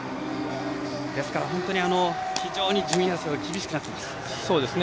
ですから非常に順位争いが厳しくなっていますね。